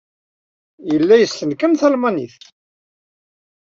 Yella yessen kan talmanit.